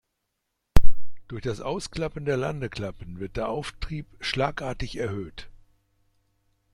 Durch das Ausklappen der Landeklappen wird der Auftrieb schlagartig erhöht.